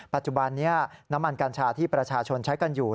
ปัจจุบันนี้น้ำมันกัญชาที่ประชาชนใช้กันอยู่